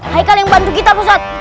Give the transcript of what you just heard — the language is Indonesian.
haikal yang bantu kita pusat